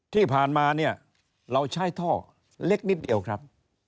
ที่ผ่านมาเนี่ยเราใช้ท่อเล็กนิดเดียวครับ